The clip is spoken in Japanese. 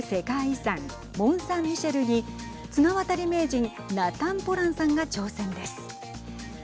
遺産モンサンミシェルに綱渡り名人ナタン・ポランさんが挑戦です。